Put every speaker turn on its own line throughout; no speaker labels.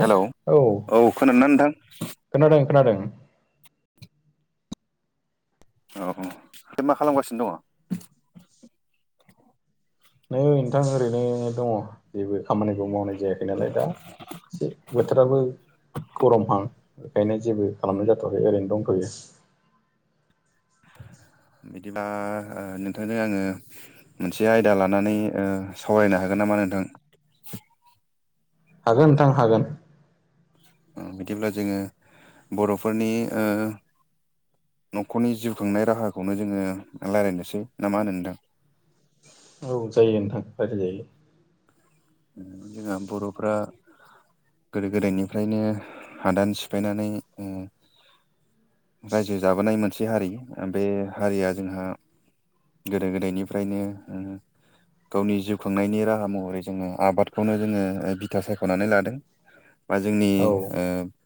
Hello
औ
खोनादोंना नोंथां
खोनादों खोनादों
औ औ ओमफ्राय मा खालामगासिनो दङ
नै नोंथां ओरैनो दङ जेबो खामानिखौ मावनाय जायाखै नालाय दा एसे बोथोराबो गरमहां बेखायनो जेबो खालामनाय जाथ'वाखै ओरैनो दंथ'यो
बिदिबा ओ नोंथांजों आङो मोनसे आयदा लानानै ओ- सावरायनो हागोन नामा नोंथां?
हागोन नोंथां हागोन।
ओम बिदिब्ला जोङो बर'फोरनि ओ- न'खरनि जिउ खांनाय राहाखौनो जोङो रायजलायनोसै ना मा होनो नोंथां?
औ जायो नोंथां रायज्लाय जायो।
जोंहा बर'फ्रा गोदो गोदायनिफ्रायनो हादान सिफायनानै उम। रायजो जाबोनाय मोनसे हारि ओ-बे हारिया जोंहा गोदो गोदायनिफ्रायनो ओ गावनि जिउ खांनायनि राहा महरै जोङो आबादखौनो जोङो बिथा सायख'नानै लादों बा जोंनि
औ
ओ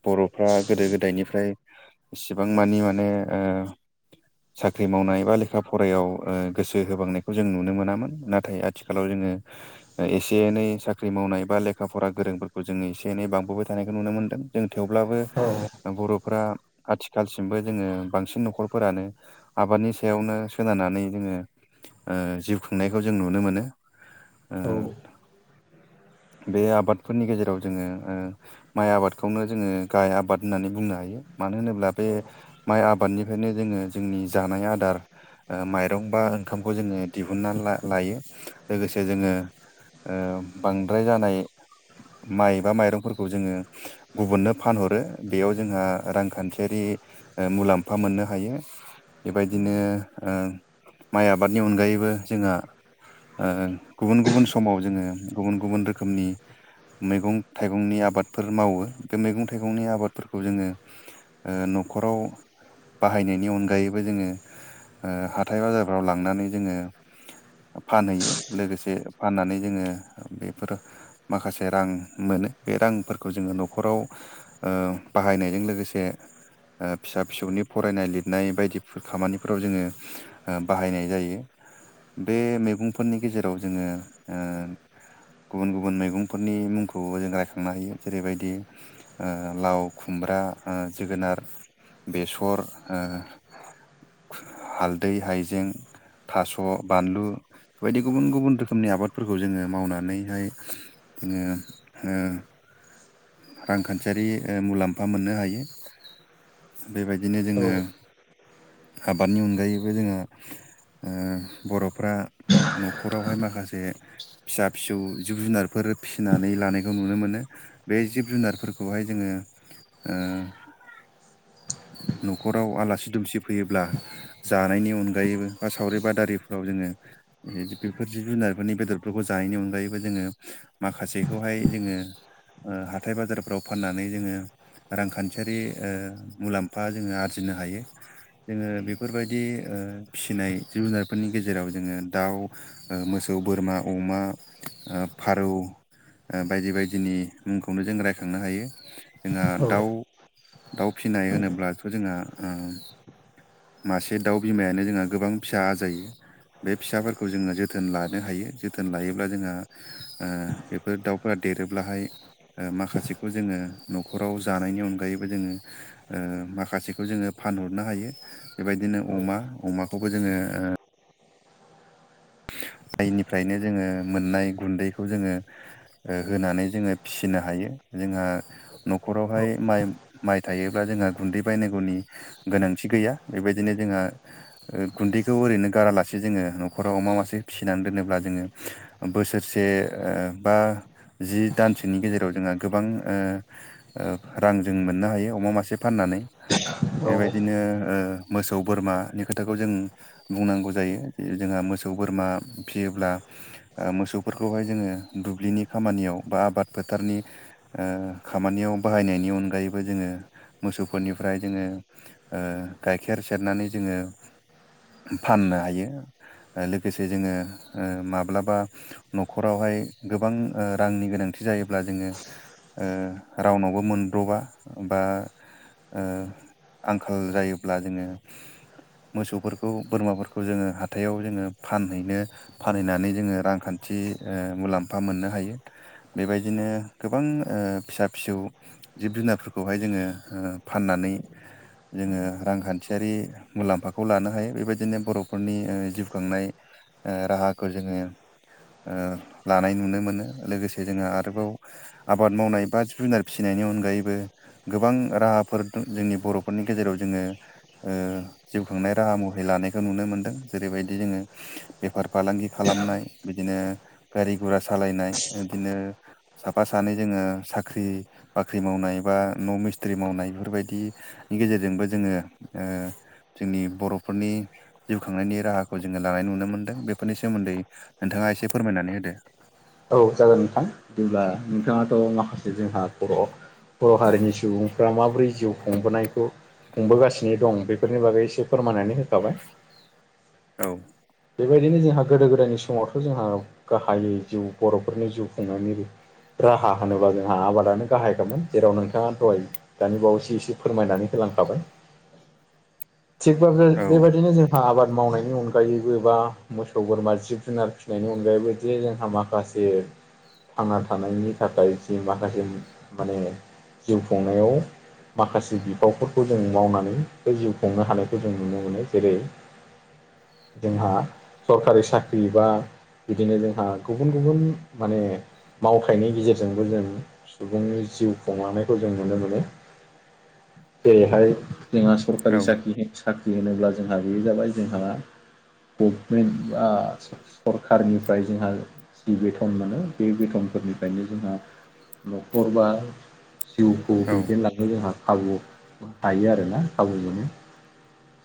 बर'फ्रा गोदो गोदायनिफ्राय एसेबां मानि माने ओ साख्रि मावनाय बा लेखा फरायाव ओ गोसो होबांनायखौ जों नुनो मोनामोन नाथाय आथिखालाव जोङो ओ एसे एनै साख्रि मावनाय बा लेखा फरा गोरोंफोरखौ जोङो एसे एनै बांबोबाय थानायखौ नुनो मोन्दों जों थेवब्लाबो
औ
बर'फ्रा आथिखालसिमबो जोङो बांसिन न'खरफोरानो आबादनि सायावनो सोनारनानै जोङो ओ जिउ खुंनायखौ जों नुनो मोनो ओ
औ
बे आबादफोरनि गेजेराव जोङो ओ- माइ आबादखौनो जोङो गाय आबाद होननानै बुंनो हायो मानो होनोब्ला बे। माइ आबादनिफ्रायनो जोङो जोंनि जानाय आदार। माइरं बा ओंखामखौ जोङो दिहुनन्ना ला-लायो लोगोसे जोङो। बांद्राय जानाय माइबा माइरंफोरखौ जोङो। गुबुननो फानहरो बेयाव जोंहा रांखान्थियारि। ओ-मुलाम्फा मोननो हायो। बेबायदिनो ओ-माइ आबादनि अनगायैबो जोंहा ओ-गुबुन गुबुन समाव जोङो गुबुन गुबुन रोखोमनि। मैगं थाइगंनि आबादफोर मावो बे मैगं थाइगंनि आबादफोरखौ जोङो। ओ-न'खराव बाहायनायनि अनगायैबो जोङो ओ-हाथाय बाजारफ्राव लांनानै जोङो। फानहैयो लोगोसे फाननानै जोङो बेफोर माखासे रां मोनो बे रांफोरखौ जोङो न'खराव ओ-बाहायनायजों लोगोसे। ओ-फिसा फिसौनि फरायनाय लिरनाय बायदिफोर खामानिफ्राव जोङो ओ-बाहायनाय जायो बे मैगंफोरनि गेजेराव जोङो ओ- गुबुन गुबुन मैगंफोरनि मुंखौबो जों रायखांनो हायो जेरैबायदि ओ-लाव खुमब्रा ओ-जोगोनार बेसर ओ-हालदै हायजें। थास' बानलु बेबायदि गुबुन गुबुन रोखोमनि आबाद फोरफोरखौ जोङो मावनानैहाय जोङो ओ- रांखान्थियारि ओ-मुलाम्फा मोननो हायो बेबायदिनो जोङो। आबादनि अनगायैबो जोंहा ओ-बर'फ्रा न'खरावहाय माखासे फिसा फिसौ जिब जुनारफोर फिसिनानै लानायखौ नुनो मोनो। बे जिब जुनारफोरखौहाय जोङो ओ न'खराव आलासि दुमसि फैयोब्ला जानायनि अनगायैबो बा सावरि बादारिफोराव जोङो। बेफोर जिब जुनारफोरनि बेदरफोरखौ जानायनि अनगायैबो जोङो माखासेखौहाय जोङो हाथाय बाजारफ्राव फाननानै जोङो। रांखान्थियारि ओ-मुलाम्फा जोङो आरजिनो हायो। जोङो बेफोरबायदि ओ-फिसिनाय जि जुनारफोरनि गेजेराव जोङो दाउ। ओ-मोसौ बोरमा अमा ओ-फारौ बायदि बायदिनि मुंखौनो जों रायखांनो हायो जोंहा
औ
दाउ दाउ फिसिनाय होनोब्लाथ' जोंहा मासे दाउ बिमायानो जोंहा गोबां फिसा आजायो। बे फिसाफोरखौ जोंङो जोथोन लानो हायो जोथोन लायोब्ला जोंहा बेफोर दाउफोरा देरोब्लाहाय माखासेखौ जोंङो न'खराव जानायनि अनगायैबो जोंङो माखासेखौ जोंङो फानहरनो हायो। बेबायदिनो अमा अमाखौबो जोंङो आइनिफ्रायनो जोंङो मोननाय गुन्दैखौ जोंङो ओ-होनानै जोङो फिसिनो हायो जोंहा
औ
न'खरावहाय माइ माइ थायोब्ला जोंहा गुन्दै बायनांगौनि गोनांथि गैया बेबायदिनो जोंहा ओ-गुन्दैखौ ओरैनो गारालासे जोङो न'खराव मा मासे। से फिसिनानै दोनोब्ला जोङो ओ-बोसोरसे बा जि दानसेनि गेजेराव जोंहा गोबां ओ- ओ-रां जों मोननो हायो अमा मासे फाननानै बेबायदिनो ओ- मोसौ बोरमानि खोथाखौ जों बुंनांगौ जायो जोंहा मोसौ बोरमा फियोब्ला मोसौफोरखौहाय जोंङो दुब्लिनि खामानियाव बा आबाद फोथारनि खामानियाव बाहायनायनि अनगायैबो जोंङो मोसौफोरनिफ्राय जोंङो गाइखेर सेरनानै जोंङो फाननो हायो। लोगोसे जोंङो ओ माब्लाबा न'खरावहाय गोबां रांनि गोनांथि जायोब्ला जोंङो ओ ओ आंखाल मोसौफोरखौ बोरमाफोरखौ जोंङो हाथायाव जोंङो फानहैनो फानहैनानै जोंङो रांखान्थि ओ मुलाम्फा मोननो हायो। बेबायदिनो गोबां फिसा-फिसौ जिब जुनारफोरखौहाय जोंङो फाननानै जोंङो रांखान्थियारि मुलाम्फाखौ लानो हायो बेबायदिनो बर'फोरनि ओ जिउ खुंनाय ओ ओ लानाय नुनो मोनो लोगोसे जोंहा आरोबाव आबाद मावनाय बा जुनार फिसिनायनि अनगायैबो गोबां राहाफोर जोंनि बर'फोरनि गेजेराव जोंङो ओ जिउ खांनाय राहा मुहि लानायखौ नुनो मोन्दों जेरैबाय दि जोंङो बेफार-फालांगि खालामनाय बिदिनो गारि गुरा सालायनाय बिदिनो साफा सानै जोंङो साख्रि-बाख्रि मावनाय बा न' मिस्ट्रि मावनाय बेफोरबायदि गेजेरजोंबो जोंङो ओ जोंनि बर'फोरनि जिउ खांनायनि राहा खौ जोंङो लानाय नुनो मोनदों बेफोरनि सोमोन्दै नोंथाङा एसे फोरमायनानै होदो
औ जागोन नोंथां बिदिब्ला नोंथाङाथ' माखासे जोंहा ख बर' हारिनि सुबुंफ्रा माबोरै जिउ खुंबोनायखौ खुंबोगासिनो दं बेफोरनि बागै एसे फोरमायनानै होखाबाय
औ
बेबायदिनो जोंहा गोदो गोदायनि समावथ' जोंहा गाहायै जिउ बर'फोरनि जिउ खुंनानै राहा होनोबा जोंहा आबादानो गाहायखाममोन। जेराव नोंथाङा दहाय दानि बावसो एसे फोरमायनानै होलांखाबाय
[unintelligible]
थिगबाबो
औ
बेबायदिनो जोंहा आबाद मावनायनि अनगायै ब'बेबा मोसौ बोरमा जिब-जुनार फिसिनायनि अनगायैबोदि जे जोंहा माखासे थांना थानायनि थाखाय जि माखासे माने जिउ खुंनायाव माखासे बिफावफोरखौ जों मावनानै बे जिउ खुंनो हानायखौ जों नुनो मोनो जेरै जोंहा सरकारि साख्रि बा बिदिनो जोंहा गुबुन-गुबुन माने। मावथायनि गेजेरजोंबो जों सुबुंनि जिउ खुंलांनायखौ जों नुनो मोनो। जेरैहाय जोंहा
औ
सरखारि साख्रि-साख्रि होनोब्ला जोंहा बे जाबाय जोंहा [unintelligible] सरखारनिफ्राय जोंहा जि बेथन मोनो बे बेथनफोरनिफ्रायनो जोंहा न'खर बा जिउखौ
औ
दैदेनलांनो जोंहा खाबु हायो आरोना खाबु मोननो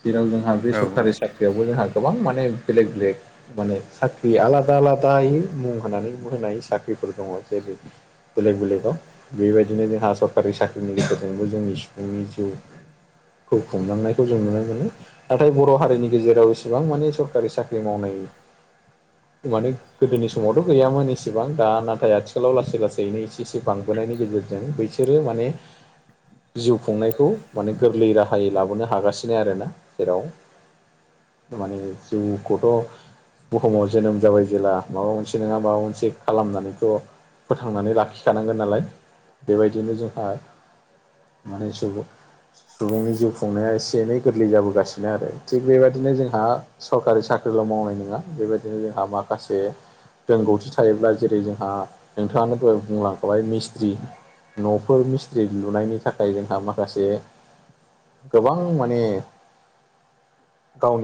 जेराव जोंहा बे
औ औ
सरखारि साख्रियावबो जोंहा गोबां माने बेलेग बेलेग माने साख्रि आलादा आलादायै मुं होनानै होनाय साख्रिफोर दङ जेरै बेलेग-बेलेगाव बेबायदिनो जोंहा सरकारि साख्रिनि गेजेरजोंबो जोंनि सुबुंनि जिउ खौ खुंलांनायखौ जों नुनो मोनो नाथाय बर' हारिनि गेजेराव इसेबां माने सरकारि साख्रि मावनाय माने गोदोनि समावथ' गैयामोन इसिबां दा नाथाय आथिखालाव लासै लासैनो एसे एसे बांबोनायनि गेजेरजों बैसोरो माने
[inaudible]
जिउ खुंनायखौ माने गोरलै राहायै लाबोनो हागासिनो आरोना जेराव माने जोंखौथ बुहुमाव जोनोम जाबाय जेब्ला माबा मोनसे नङा माबा मोनसे खालामनानैथ' फोथांनानै लाखिखानांगोन नालाय बेबायदिनो जोंहा मानि सुबुं सुबुंनि जिउ खुंनाया एसे एनै गोरलै जाबोगासिनो आरो थिग बेबायदिनो जों हा सरकारि साख्रिल' मावनाय नङा बेबायदिनो जोंहा माखासे रोंगौथि थायोब्ला जेरै जोंहा नोंथाङानो दहाय बुंलांखाबाय मिस्ट्रि न'फोर मिस्थ्रि लुनायनि थाखाय जोंहा माखासे गोबां माने गावनि